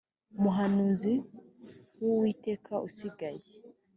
muhanuzi w uwiteka usigaye